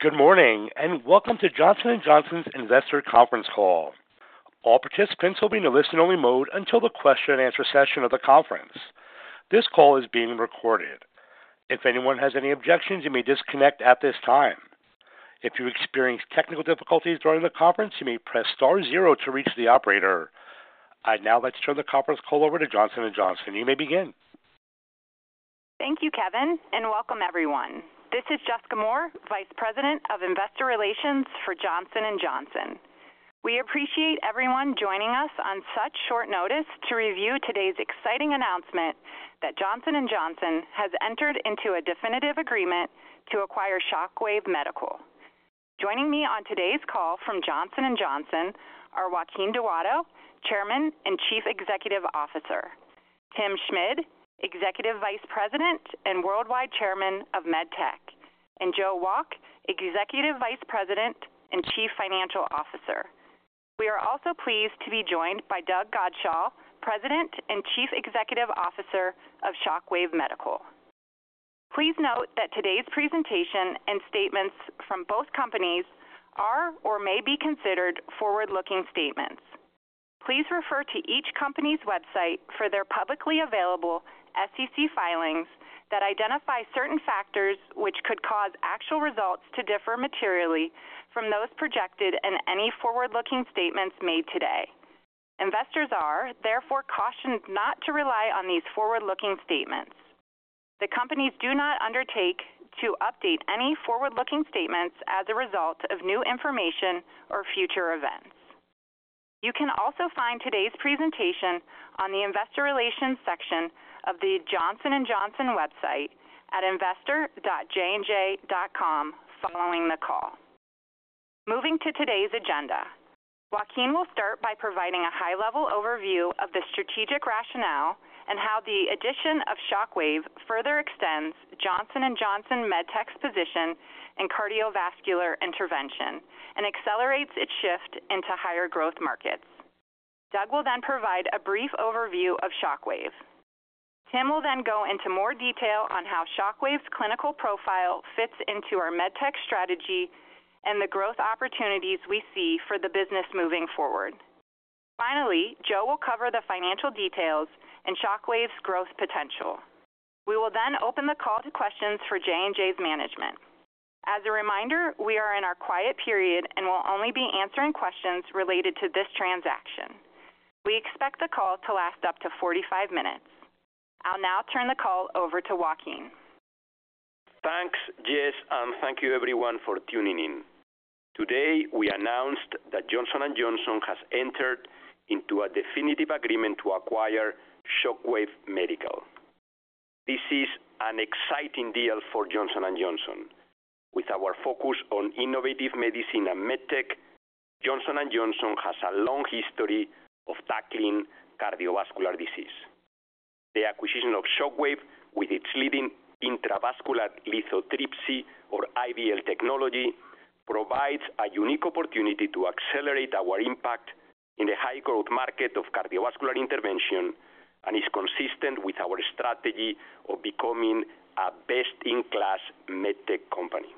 Good morning and welcome to Johnson & Johnson's investor conference call. All participants will be in a listen-only mode until the question-and-answer session of the conference. This call is being recorded. If anyone has any objections, you may disconnect at this time. If you experience technical difficulties during the conference, you may press star zero to reach the operator. I'd now like to turn the conference call over to Johnson & Johnson. You may begin. Thank you, Kevin, and welcome everyone. This is Jessica Moore, Vice President of Investor Relations for Johnson & Johnson. We appreciate everyone joining us on such short notice to review today's exciting announcement that Johnson & Johnson has entered into a definitive agreement to acquire Shockwave Medical. Joining me on today's call from Johnson & Johnson are Joaquin Duato, Chairman and Chief Executive Officer, Tim Schmid, Executive Vice President and Worldwide Chairman of MedTech, and Joe Wolk, Executive Vice President and Chief Financial Officer. We are also pleased to be joined by Doug Godshall, President and Chief Executive Officer of Shockwave Medical. Please note that today's presentation and statements from both companies are or may be considered forward-looking statements. Please refer to each company's website for their publicly available SEC filings that identify certain factors which could cause actual results to differ materially from those projected in any forward-looking statements made today. Investors are, therefore, cautioned not to rely on these forward-looking statements. The companies do not undertake to update any forward-looking statements as a result of new information or future events. You can also find today's presentation on the Investor Relations section of the Johnson & Johnson website at investor.jnj.com following the call. Moving to today's agenda, Joaquin will start by providing a high-level overview of the strategic rationale and how the addition of Shockwave further extends Johnson & Johnson MedTech's position in cardiovascular intervention and accelerates its shift into higher growth markets. Doug will then provide a brief overview of Shockwave. Tim will then go into more detail on how Shockwave's clinical profile fits into our MedTech strategy and the growth opportunities we see for the business moving forward. Finally, Joe will cover the financial details and Shockwave's growth potential. We will then open the call to questions for J&J's management. As a reminder, we are in our quiet period and will only be answering questions related to this transaction. We expect the call to last up to 45 minutes. I'll now turn the call over to Joaquin. Thanks, Jess, and thank you everyone for tuning in. Today we announced that Johnson & Johnson has entered into a definitive agreement to acquire Shockwave Medical. This is an exciting deal for Johnson & Johnson. With our focus on innovative medicine and MedTech, Johnson & Johnson has a long history of tackling cardiovascular disease. The acquisition of Shockwave with its leading intravascular lithotripsy, or IVL, technology provides a unique opportunity to accelerate our impact in the high-growth market of cardiovascular intervention and is consistent with our strategy of becoming a best-in-class MedTech company.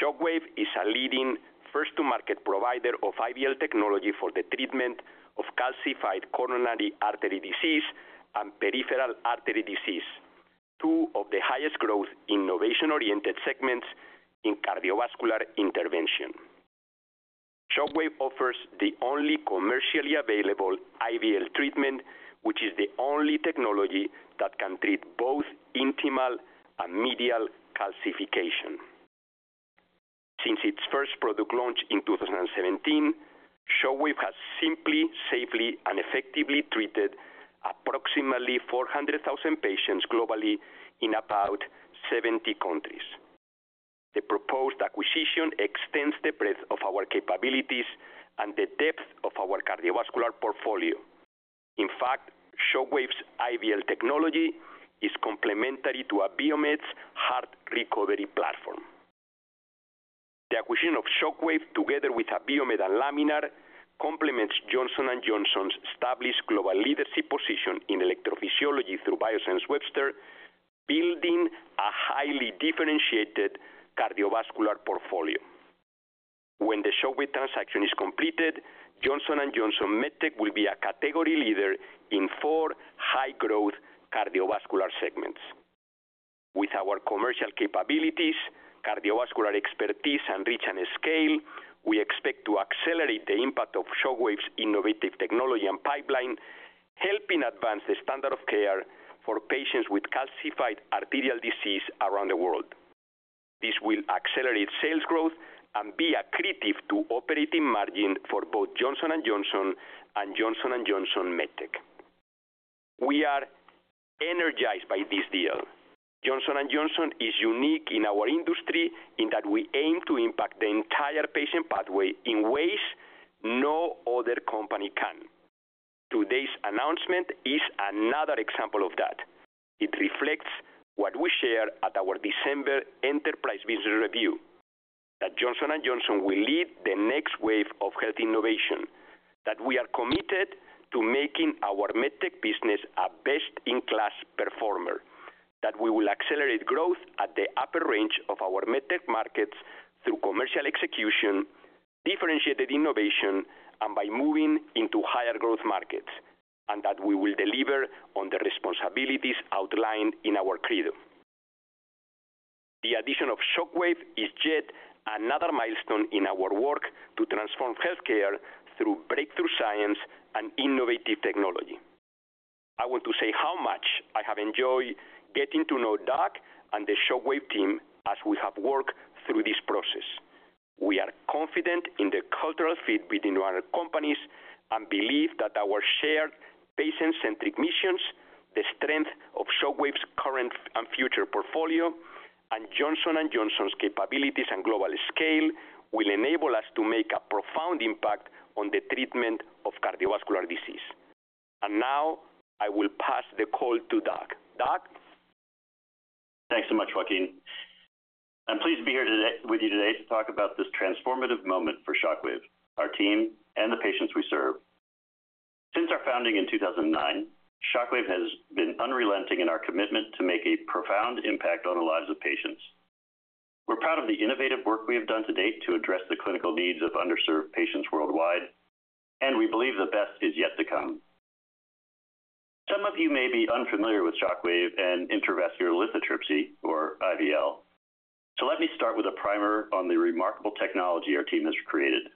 Shockwave is a leading first-to-market provider of IVL technology for the treatment of calcified coronary artery disease and peripheral artery disease, two of the highest-growth innovation-oriented segments in cardiovascular intervention. Shockwave offers the only commercially available IVL treatment, which is the only technology that can treat both intimal and medial calcification. Since its first product launch in 2017, Shockwave has simply, safely, and effectively treated approximately 400,000 patients globally in about 70 countries. The proposed acquisition extends the breadth of our capabilities and the depth of our cardiovascular portfolio. In fact, Shockwave's IVL technology is complementary to Abiomed's heart recovery platform. The acquisition of Shockwave, together with Abiomed and Laminar, complements Johnson & Johnson's established global leadership position in electrophysiology through Biosense Webster, building a highly differentiated cardiovascular portfolio. When the Shockwave transaction is completed, Johnson & Johnson MedTech will be a category leader in four high-growth cardiovascular segments. With our commercial capabilities, cardiovascular expertise, and reach and scale, we expect to accelerate the impact of Shockwave's innovative technology and pipeline, helping advance the standard of care for patients with calcified arterial disease around the world. This will accelerate sales growth and be a creative operating margin for both Johnson & Johnson and Johnson & Johnson MedTech. We are energized by this deal. Johnson & Johnson is unique in our industry in that we aim to impact the entire patient pathway in ways no other company can. Today's announcement is another example of that. It reflects what we share at our December Enterprise Business Review: that Johnson & Johnson will lead the next wave of health innovation, that we are committed to making our MedTech business a best-in-class performer, that we will accelerate growth at the upper range of our MedTech markets through commercial execution, differentiated innovation, and by moving into higher growth markets, and that we will deliver on the responsibilities outlined in our Credo. The addition of Shockwave is yet another milestone in our work to transform healthcare through breakthrough science and innovative technology. I want to say how much I have enjoyed getting to know Doug and the Shockwave team as we have worked through this process. We are confident in the cultural fit between our companies and believe that our shared patient-centric missions, the strength of Shockwave's current and future portfolio, and Johnson & Johnson's capabilities and global scale will enable us to make a profound impact on the treatment of cardiovascular disease. And now I will pass the call to Doug. Doug? Thanks so much, Joaquin. I'm pleased to be here with you today to talk about this transformative moment for Shockwave, our team, and the patients we serve. Since our founding in 2009, Shockwave has been unrelenting in our commitment to make a profound impact on the lives of patients. We're proud of the innovative work we have done to date to address the clinical needs of underserved patients worldwide, and we believe the best is yet to come. Some of you may be unfamiliar with Shockwave and intravascular lithotripsy, or IVL. So let me start with a primer on the remarkable technology our team has created.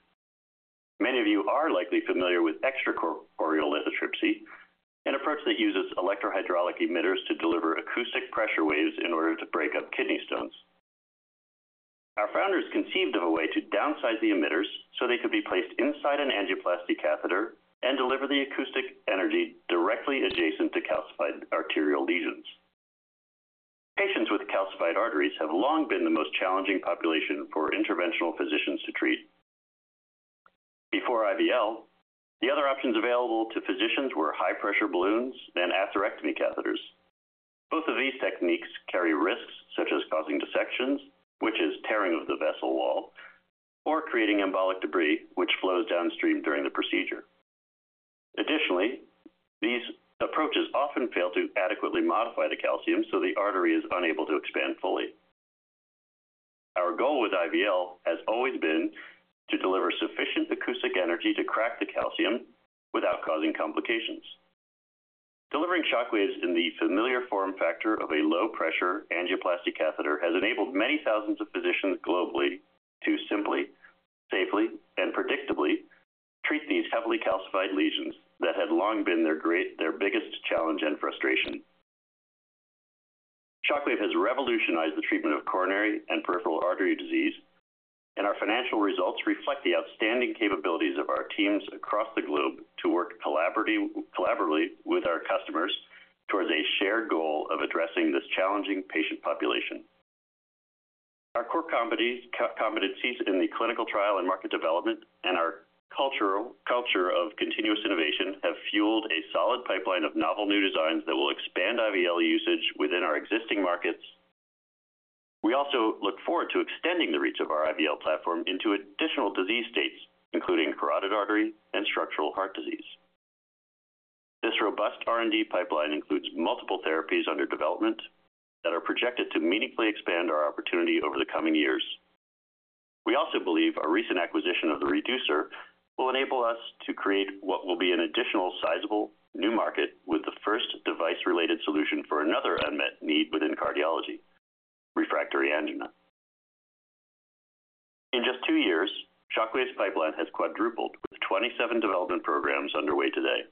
Many of you are likely familiar with extracorporeal lithotripsy, an approach that uses electrohydraulic emitters to deliver acoustic pressure waves in order to break up kidney stones. Our founders conceived of a way to downsize the emitters so they could be placed inside an angioplasty catheter and deliver the acoustic energy directly adjacent to calcified arterial lesions. Patients with calcified arteries have long been the most challenging population for interventional physicians to treat. Before IVL, the other options available to physicians were high-pressure balloons and atherectomy catheters. Both of these techniques carry risks such as causing dissections, which is tearing of the vessel wall, or creating embolic debris, which flows downstream during the procedure. Additionally, these approaches often fail to adequately modify the calcium so the artery is unable to expand fully. Our goal with IVL has always been to deliver sufficient acoustic energy to crack the calcium without causing complications. Delivering Shockwave in the familiar form factor of a low-pressure angioplasty catheter has enabled many thousands of physicians globally to simply, safely, and predictably treat these heavily calcified lesions that had long been their biggest challenge and frustration. Shockwave has revolutionized the treatment of coronary and peripheral artery disease, and our financial results reflect the outstanding capabilities of our teams across the globe to work collaboratively with our customers towards a shared goal of addressing this challenging patient population. Our core competencies in the clinical trial and market development and our culture of continuous innovation have fueled a solid pipeline of novel new designs that will expand IVL usage within our existing markets. We also look forward to extending the reach of our IVL platform into additional disease states, including carotid artery and structural heart disease. This robust R&D pipeline includes multiple therapies under development that are projected to meaningfully expand our opportunity over the coming years. We also believe our recent acquisition of the Reducer will enable us to create what will be an additional sizable new market with the first device-related solution for another unmet need within cardiology: refractory angina. In just two years, Shockwave's pipeline has quadrupled with 27 development programs underway today.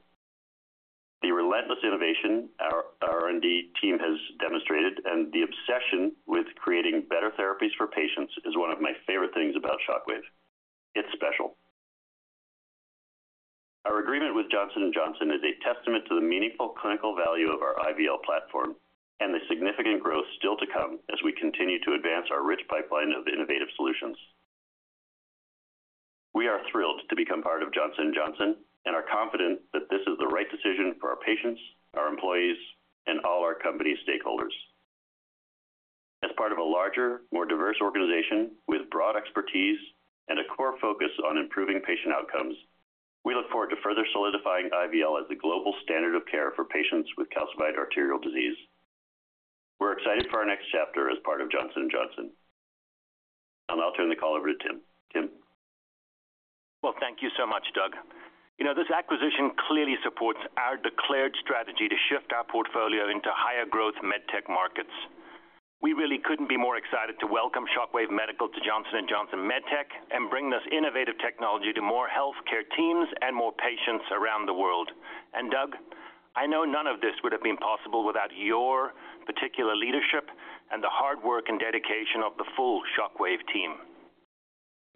The relentless innovation our R&D team has demonstrated and the obsession with creating better therapies for patients is one of my favorite things about Shockwave. It's special. Our agreement with Johnson & Johnson is a testament to the meaningful clinical value of our IVL platform and the significant growth still to come as we continue to advance our rich pipeline of innovative solutions. We are thrilled to become part of Johnson & Johnson and are confident that this is the right decision for our patients, our employees, and all our company stakeholders. As part of a larger, more diverse organization with broad expertise and a core focus on improving patient outcomes, we look forward to further solidifying IVL as the global standard of care for patients with calcified arterial disease. We're excited for our next chapter as part of Johnson & Johnson. And I'll turn the call over to Tim. Tim? Well, thank you so much, Doug. This acquisition clearly supports our declared strategy to shift our portfolio into higher growth MedTech markets. We really couldn't be more excited to welcome Shockwave Medical to Johnson & Johnson MedTech and bring this innovative technology to more healthcare teams and more patients around the world. Doug, I know none of this would have been possible without your particular leadership and the hard work and dedication of the full Shockwave team.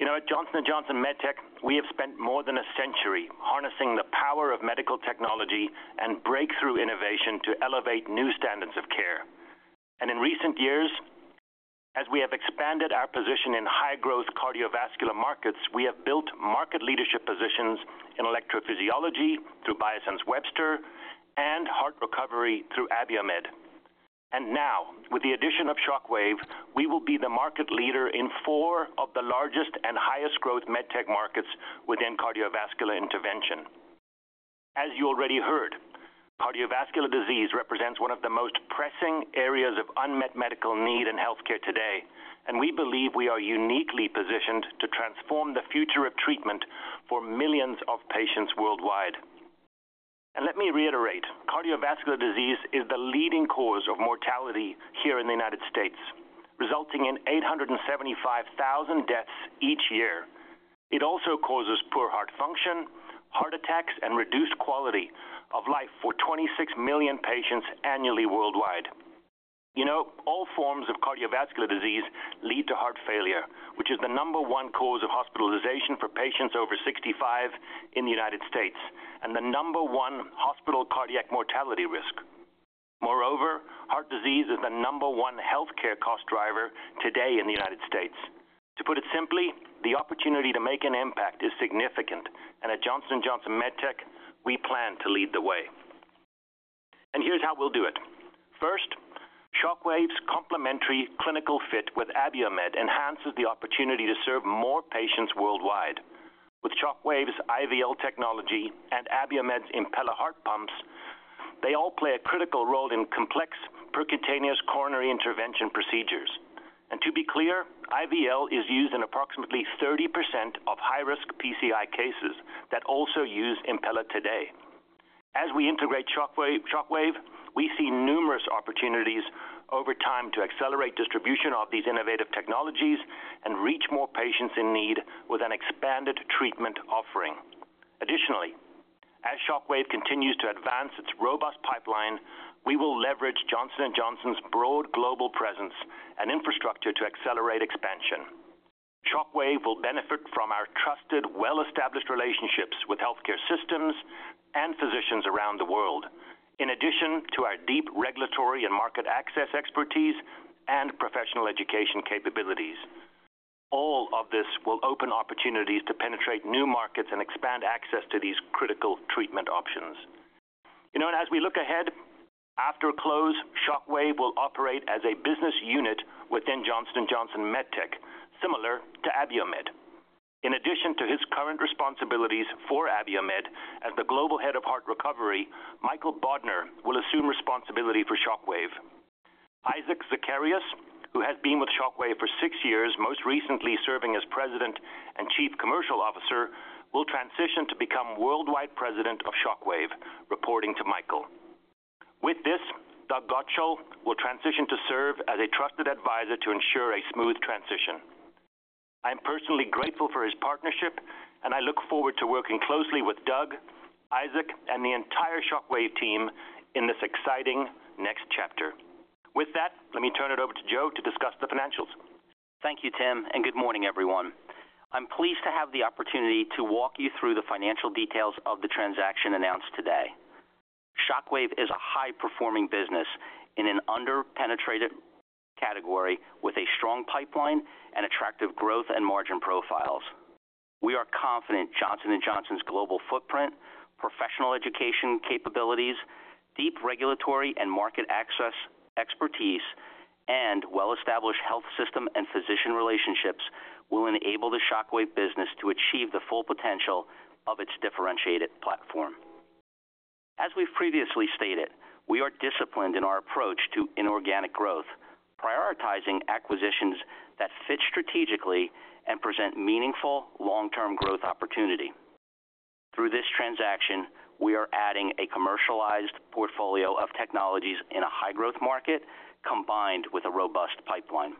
At Johnson & Johnson MedTech, we have spent more than a century harnessing the power of medical technology and breakthrough innovation to elevate new standards of care. In recent years, as we have expanded our position in high-growth cardiovascular markets, we have built market leadership positions in electrophysiology through Biosense Webster and heart recovery through Abiomed. Now, with the addition of Shockwave, we will be the market leader in four of the largest and highest-growth MedTech markets within cardiovascular intervention. As you already heard, cardiovascular disease represents one of the most pressing areas of unmet medical need in healthcare today, and we believe we are uniquely positioned to transform the future of treatment for millions of patients worldwide. And let me reiterate: cardiovascular disease is the leading cause of mortality here in the United States, resulting in 875,000 deaths each year. It also causes poor heart function, heart attacks, and reduced quality of life for 26 million patients annually worldwide. All forms of cardiovascular disease lead to heart failure, which is the number one cause of hospitalization for patients over 65 in the United States and the number one hospital cardiac mortality risk. Moreover, heart disease is the number 1 healthcare cost driver today in the United States. To put it simply, the opportunity to make an impact is significant, and at Johnson & Johnson MedTech, we plan to lead the way. And here's how we'll do it. First, Shockwave's complementary clinical fit with Abiomed enhances the opportunity to serve more patients worldwide. With Shockwave's IVL technology and Abiomed's Impella heart pumps, they all play a critical role in complex percutaneous coronary intervention procedures. And to be clear, IVL is used in approximately 30% of high-risk PCI cases that also use Impella today. As we integrate Shockwave, we see numerous opportunities over time to accelerate distribution of these innovative technologies and reach more patients in need with an expanded treatment offering. Additionally, as Shockwave continues to advance its robust pipeline, we will leverage Johnson & Johnson's broad global presence and infrastructure to accelerate expansion. Shockwave will benefit from our trusted, well-established relationships with healthcare systems and physicians around the world, in addition to our deep regulatory and market access expertise and professional education capabilities. All of this will open opportunities to penetrate new markets and expand access to these critical treatment options. As we look ahead, after close, Shockwave will operate as a business unit within Johnson & Johnson MedTech, similar to Abiomed. In addition to his current responsibilities for Abiomed as the global head of heart recovery, Michael Bodner will assume responsibility for Shockwave. Isaac Zacharias, who has been with Shockwave for six years, most recently serving as president and chief commercial officer, will transition to become worldwide president of Shockwave, reporting to Michael. With this, Doug Godshall will transition to serve as a trusted advisor to ensure a smooth transition. I am personally grateful for his partnership, and I look forward to working closely with Doug, Isaac, and the entire Shockwave team in this exciting next chapter. With that, let me turn it over to Joe to discuss the financials. Thank you, Tim, and good morning, everyone. I'm pleased to have the opportunity to walk you through the financial details of the transaction announced today. Shockwave is a high-performing business in an under-penetrated category with a strong pipeline and attractive growth and margin profiles. We are confident Johnson & Johnson's global footprint, professional education capabilities, deep regulatory and market access expertise, and well-established health system and physician relationships will enable the Shockwave business to achieve the full potential of its differentiated platform. As we've previously stated, we are disciplined in our approach to inorganic growth, prioritizing acquisitions that fit strategically and present meaningful long-term growth opportunity. Through this transaction, we are adding a commercialized portfolio of technologies in a high-growth market combined with a robust pipeline.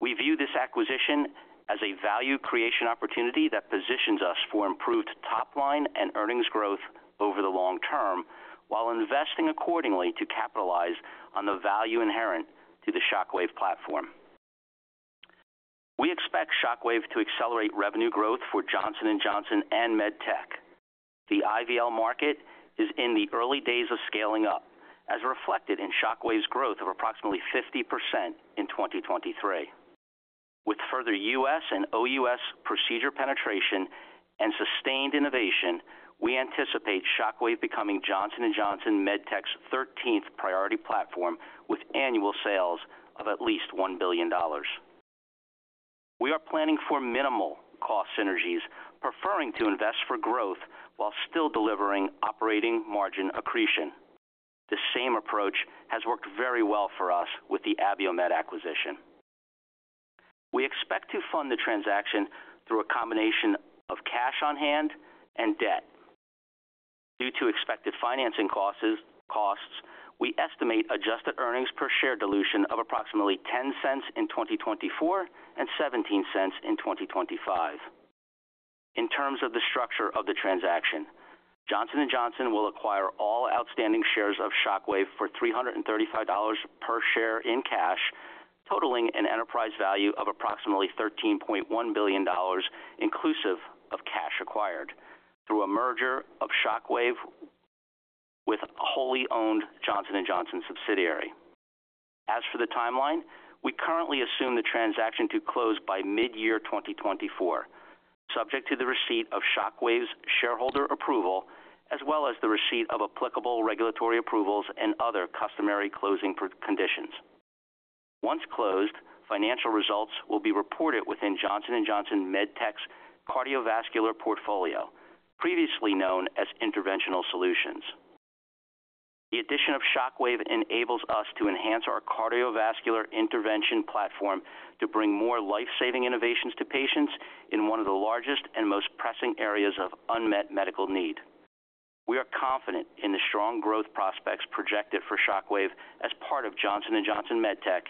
We view this acquisition as a value creation opportunity that positions us for improved top-line and earnings growth over the long term while investing accordingly to capitalize on the value inherent to the Shockwave platform. We expect Shockwave to accelerate revenue growth for Johnson & Johnson and MedTech. The IVL market is in the early days of scaling up, as reflected in Shockwave's growth of approximately 50% in 2023. With further U.S. and OUS procedure penetration and sustained innovation, we anticipate Shockwave becoming Johnson & Johnson MedTech's 13th priority platform with annual sales of at least $1 billion. We are planning for minimal cost synergies, preferring to invest for growth while still delivering operating margin accretion. The same approach has worked very well for us with the Abiomed acquisition. We expect to fund the transaction through a combination of cash on hand and debt. Due to expected financing costs, we estimate adjusted earnings per share dilution of approximately $0.10 in 2024 and $0.17 in 2025. In terms of the structure of the transaction, Johnson & Johnson will acquire all outstanding shares of Shockwave for $335 per share in cash, totaling an enterprise value of approximately $13.1 billion inclusive of cash acquired through a merger of Shockwave with a wholly owned Johnson & Johnson subsidiary. As for the timeline, we currently assume the transaction to close by mid-year 2024, subject to the receipt of Shockwave's shareholder approval as well as the receipt of applicable regulatory approvals and other customary closing conditions. Once closed, financial results will be reported within Johnson & Johnson MedTech's cardiovascular portfolio, previously known as interventional solutions. The addition of Shockwave enables us to enhance our cardiovascular intervention platform to bring more lifesaving innovations to patients in one of the largest and most pressing areas of unmet medical need. We are confident in the strong growth prospects projected for Shockwave as part of Johnson & Johnson MedTech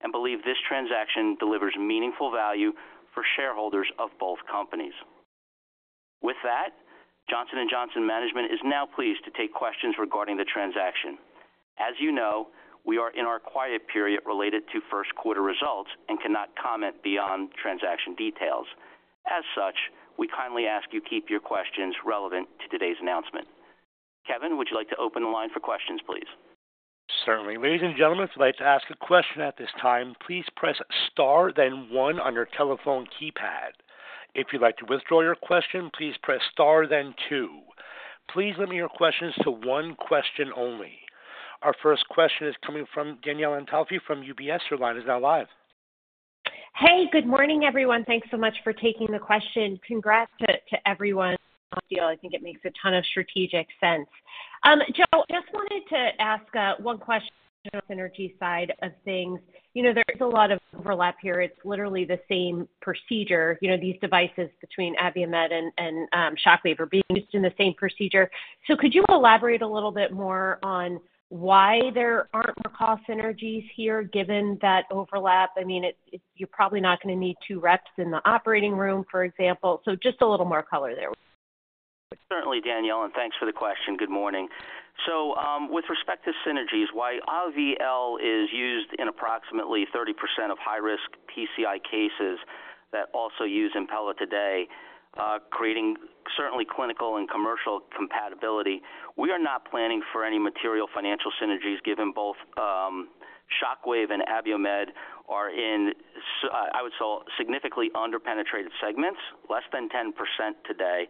and believe this transaction delivers meaningful value for shareholders of both companies. With that, Johnson & Johnson management is now pleased to take questions regarding the transaction. As you know, we are in our quiet period related to first-quarter results and cannot comment beyond transaction details. As such, we kindly ask you keep your questions relevant to today's announcement. Kevin, would you like to open the line for questions, please? Certainly. Ladies and gentlemen, if you'd like to ask a question at this time, please press * then 1 on your telephone keypad. If you'd like to withdraw your question, please press * then 2. Please limit your questions to one question only. Our first question is coming from Danielle Antalffy from UBS. Her line is now live. Hey, good morning, everyone. Thanks so much for taking the question. Congrats to everyone. Deal. I think it makes a ton of strategic sense. Joe, I just wanted to ask one question. Synergy side of things, there is a lot of overlap here. It's literally the same procedure. These devices between Abiomed and Shockwave are being used in the same procedure. So could you elaborate a little bit more on why there aren't more cost synergies here given that overlap? I mean, you're probably not going to need two reps in the operating room, for example. So just a little more color there. Certainly, Danielle. Thanks for the question. Good morning. With respect to synergies, while IVL is used in approximately 30% of high-risk PCI cases that also use Impella today, creating certainly clinical and commercial compatibility, we are not planning for any material financial synergies given both Shockwave and Abiomed are in, I would say, significantly under-penetrated segments, less than 10% today.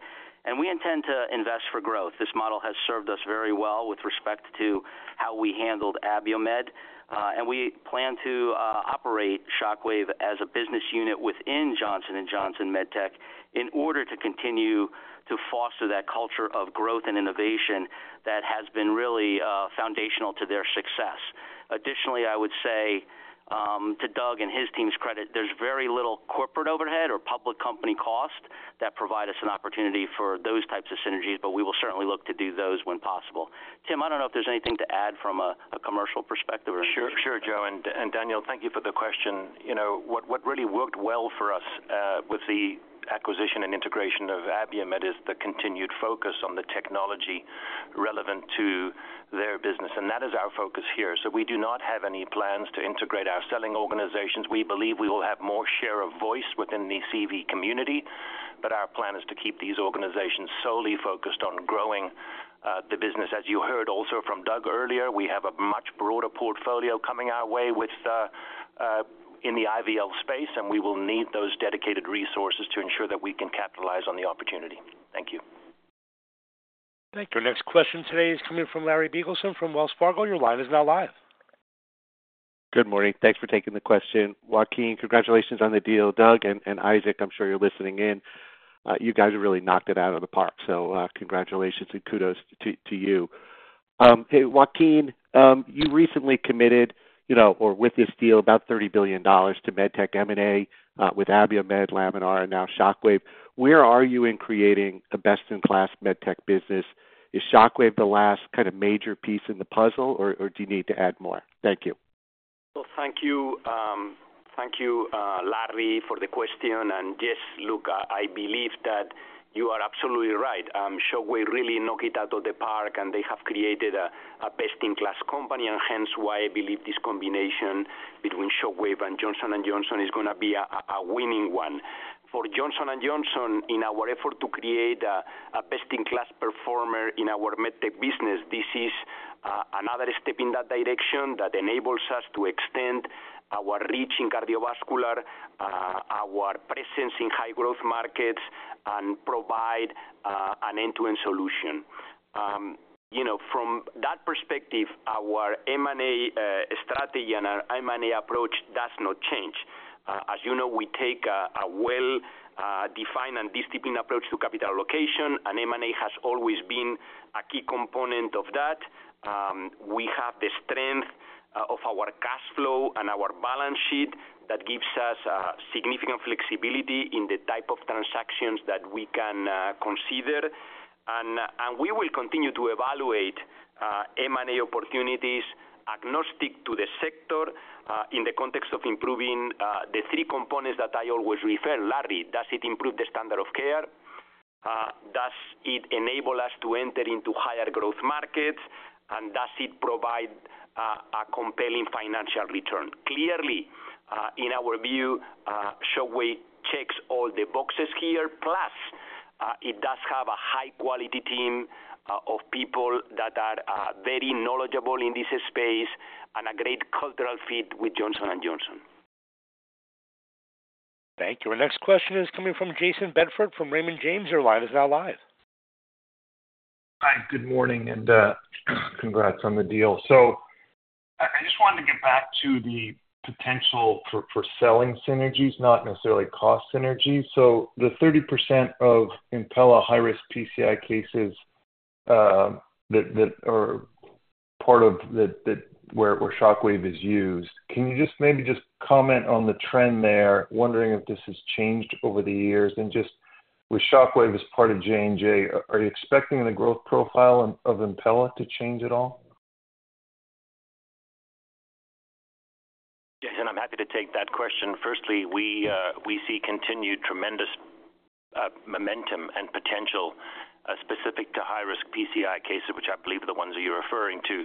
We intend to invest for growth. This model has served us very well with respect to how we handled Abiomed. We plan to operate Shockwave as a business unit within Johnson & Johnson MedTech in order to continue to foster that culture of growth and innovation that has been really foundational to their success. Additionally, I would say, to Doug and his team's credit, there's very little corporate overhead or public company cost that provide us an opportunity for those types of synergies, but we will certainly look to do those when possible. Tim, I don't know if there's anything to add from a commercial perspective or anything. Sure, Joe. And Danielle, thank you for the question. What really worked well for us with the acquisition and integration of Abiomed is the continued focus on the technology relevant to their business. And that is our focus here. So we do not have any plans to integrate our selling organizations. We believe we will have more share of voice within the CV community, but our plan is to keep these organizations solely focused on growing the business. As you heard also from Doug earlier, we have a much broader portfolio coming our way in the IVL space, and we will need those dedicated resources to ensure that we can capitalize on the opportunity. Thank you. Thank you. Next question today is coming from Larry Biegelsen from Wells Fargo. Your line is now live. Good morning. Thanks for taking the question. Joaquin, congratulations on the deal. Doug and Isaac, I'm sure you're listening in, you guys have really knocked it out of the park. So congratulations and kudos to you. Hey, Joaquin, you recently committed, or with this deal, about $30 billion to MedTech M&A with Abiomed, Laminar, and now Shockwave. Where are you in creating a best-in-class MedTech business? Is Shockwave the last kind of major piece in the puzzle, or do you need to add more? Thank you. Well, thank you, Larry, for the question. Yes, look, I believe that you are absolutely right. Shockwave really knocked it out of the park, and they have created a best-in-class company, and hence why I believe this combination between Shockwave and Johnson & Johnson is going to be a winning one. For Johnson & Johnson, in our effort to create a best-in-class performer in our MedTech business, this is another step in that direction that enables us to extend our reach in cardiovascular, our presence in high-growth markets, and provide an end-to-end solution. From that perspective, our M&A strategy and our M&A approach does not change. As you know, we take a well-defined and disciplined approach to capital allocation, and M&A has always been a key component of that. We have the strength of our cash flow and our balance sheet that gives us significant flexibility in the type of transactions that we can consider. And we will continue to evaluate M&A opportunities agnostic to the sector in the context of improving the three components that I always refer. Larry, does it improve the standard of care? Does it enable us to enter into higher growth markets? And does it provide a compelling financial return? Clearly, in our view, Shockwave checks all the boxes here, plus it does have a high-quality team of people that are very knowledgeable in this space and a great cultural fit with Johnson & Johnson. Thank you. Our next question is coming from Jason Bedford from Raymond James. Your line is now live. Hi, good morning, and congrats on the deal. So I just wanted to get back to the potential for selling synergies, not necessarily cost synergies. So the 30% of Impella high-risk PCI cases that are part of where Shockwave is used, can you maybe just comment on the trend there? Wondering if this has changed over the years. And just with Shockwave as part of J&J, are you expecting the growth profile of Impella to change at all? Yes, and I'm happy to take that question. Firstly, we see continued tremendous momentum and potential specific to high-risk PCI cases, which I believe are the ones that you're referring to.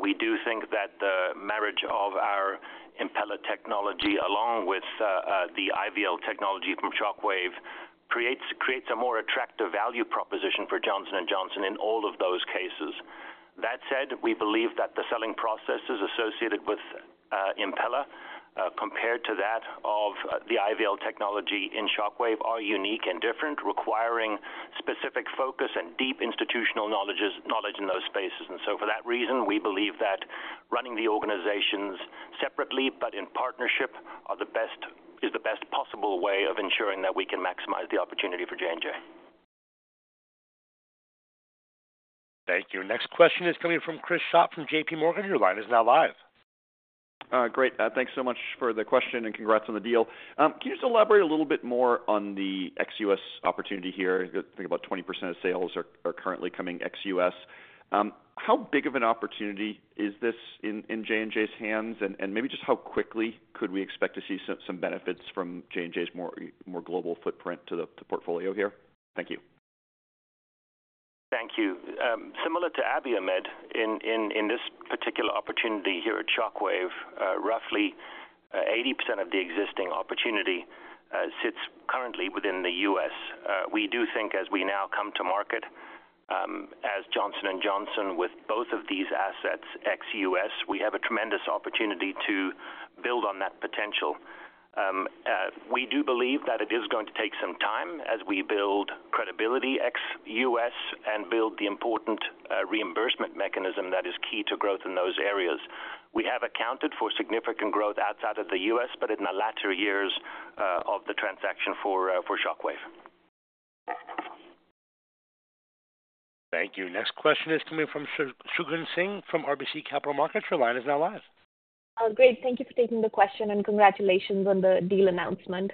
We do think that the marriage of our Impella technology along with the IVL technology from Shockwave creates a more attractive value proposition for Johnson & Johnson in all of those cases. That said, we believe that the selling processes associated with Impella compared to that of the IVL technology in Shockwave are unique and different, requiring specific focus and deep institutional knowledge in those spaces. And so for that reason, we believe that running the organizations separately but in partnership is the best possible way of ensuring that we can maximize the opportunity for J&J. Thank you. Next question is coming from Chris Schott from J.P. Morgan. Your line is now live. Great. Thanks so much for the question and congrats on the deal. Can you just elaborate a little bit more on the ex-US opportunity here? I think about 20% of sales are currently coming ex-US. How big of an opportunity is this in J&J's hands? And maybe just how quickly could we expect to see some benefits from J&J's more global footprint to the portfolio here? Thank you. Thank you. Similar to Abiomed, in this particular opportunity here at Shockwave, roughly 80% of the existing opportunity sits currently within the U.S. We do think as we now come to market as Johnson & Johnson with both of these assets ex-US, we have a tremendous opportunity to build on that potential. We do believe that it is going to take some time as we build credibility ex-US and build the important reimbursement mechanism that is key to growth in those areas. We have accounted for significant growth outside of the U.S., but in the latter years of the transaction for Shockwave. Thank you. Next question is coming from Shagun Singh from RBC Capital Markets. Your line is now live. Great. Thank you for taking the question, and congratulations on the deal announcement.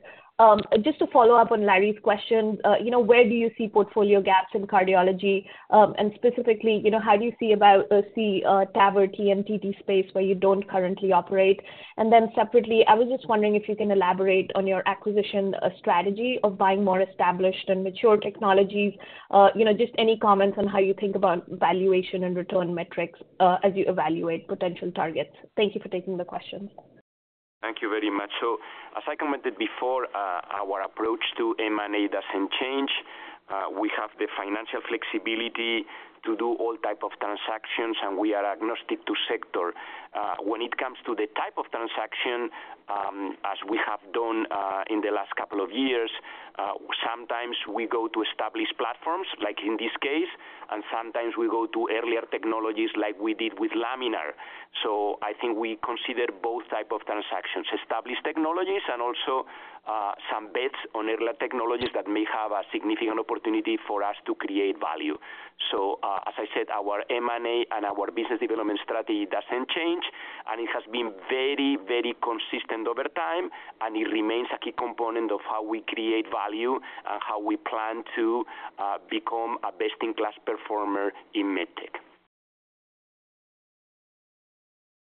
Just to follow up on Larry's question, where do you see portfolio gaps in cardiology? And specifically, how do you see about a TAVR, TMTT space where you don't currently operate? And then separately, I was just wondering if you can elaborate on your acquisition strategy of buying more established and mature technologies. Just any comments on how you think about valuation and return metrics as you evaluate potential targets. Thank you for taking the question. Thank you very much. As I commented before, our approach to M&A doesn't change. We have the financial flexibility to do all type of transactions, and we are agnostic to sector. When it comes to the type of transaction, as we have done in the last couple of years, sometimes we go to established platforms like in this case, and sometimes we go to earlier technologies like we did with Laminar. I think we consider both type of transactions, established technologies and also some bets on earlier technologies that may have a significant opportunity for us to create value. As I said, our M&A and our business development strategy doesn't change, and it has been very, very consistent over time, and it remains a key component of how we create value and how we plan to become a best-in-class performer in MedTech.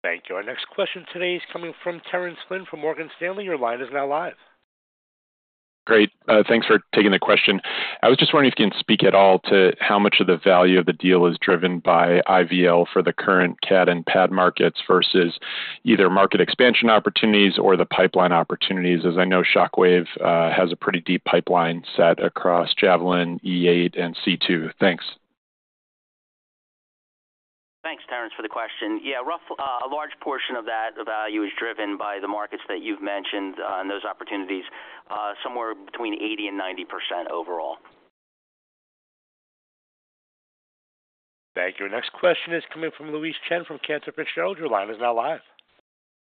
Thank you. Our next question today is coming from Terrence Flynn from Morgan Stanley. Your line is now live. Great. Thanks for taking the question. I was just wondering if you can speak at all to how much of the value of the deal is driven by IVL for the current CAD and PAD markets versus either market expansion opportunities or the pipeline opportunities. As I know, Shockwave has a pretty deep pipeline set across Javelin, E8, and C2. Thanks. Thanks, Terrence, for the question. Yeah, a large portion of that value is driven by the markets that you've mentioned and those opportunities, somewhere between 80%-90% overall. Thank you. Our next question is coming from Louise Chen from Cantor Fitzgerald. Your line is now live.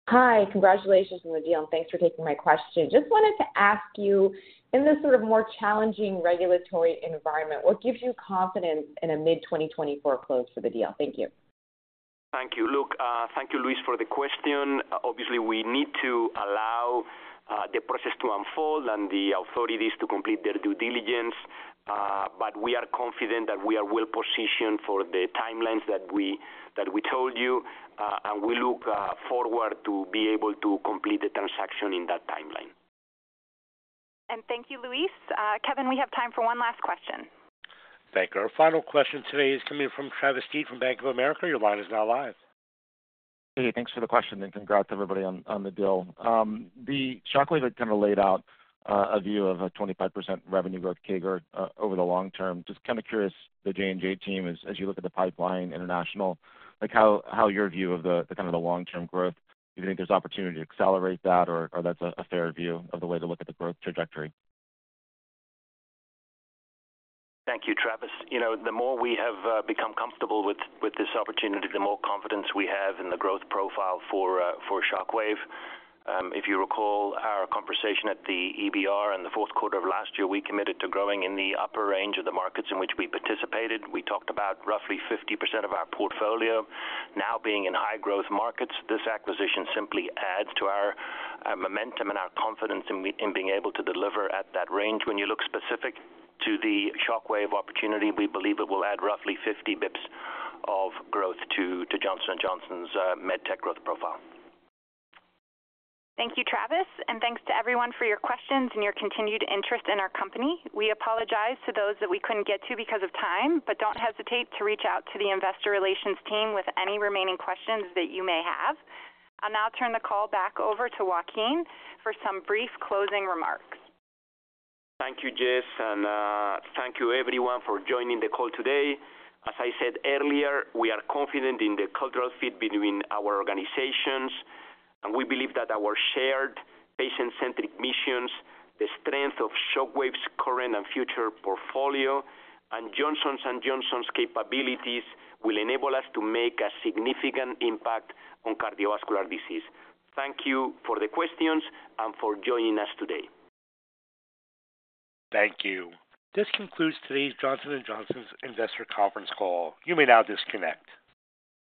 Hi, congratulations on the deal, and thanks for taking my question. Just wanted to ask you, in this sort of more challenging regulatory environment, what gives you confidence in a mid-2024 close for the deal? Thank you. Thank you, Luca. Thank you, Luis, for the question. Obviously, we need to allow the process to unfold and the authorities to complete their due diligence, but we are confident that we are well positioned for the timelines that we told you, and we look forward to be able to complete the transaction in that timeline. Thank you, Luis. Kevin, we have time for one last question. Thank you. Our final question today is coming from Travis Steed from Bank of America. Your line is now live. Hey, thanks for the question, and congrats to everybody on the deal. Shockwave had kind of laid out a view of a 25% revenue growth CAGR over the long term. Just kind of curious, the J&J team, as you look at the pipeline international, how your view of kind of the long-term growth, do you think there's opportunity to accelerate that, or that's a fair view of the way to look at the growth trajectory? Thank you, Travis. The more we have become comfortable with this opportunity, the more confidence we have in the growth profile for Shockwave. If you recall our conversation at the EBR in the fourth quarter of last year, we committed to growing in the upper range of the markets in which we participated. We talked about roughly 50% of our portfolio now being in high-growth markets. This acquisition simply adds to our momentum and our confidence in being able to deliver at that range. When you look specific to the Shockwave opportunity, we believe it will add roughly 50 bps of growth to Johnson & Johnson's MedTech growth profile. Thank you, Travis, and thanks to everyone for your questions and your continued interest in our company. We apologize to those that we couldn't get to because of time, but don't hesitate to reach out to the investor relations team with any remaining questions that you may have. I'll now turn the call back over to Joaquin for some brief closing remarks. Thank you, Jess, and thank you, everyone, for joining the call today. As I said earlier, we are confident in the cultural fit between our organizations, and we believe that our shared patient-centric missions, the strength of Shockwave's current and future portfolio, and Johnson & Johnson's capabilities will enable us to make a significant impact on cardiovascular disease. Thank you for the questions and for joining us today. Thank you. This concludes today's Johnson & Johnson's investor conference call. You may now disconnect.